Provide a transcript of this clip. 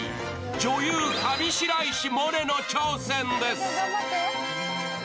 女優・上白石萌音の挑戦です。